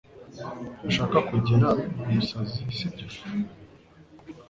Ntushaka gutera umusazi sibyo